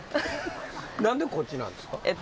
何でこっちなんですか？